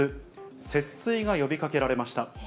節水が呼びかけられました。